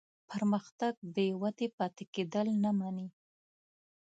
پرمختګ بېودې پاتې کېدل نه مني.